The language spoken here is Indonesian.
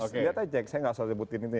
saya nggak usah sebutin itu